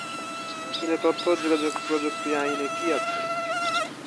কিন্তু তথ্য ও যোগাযোগ প্রযুক্তি আইনে কি আছে?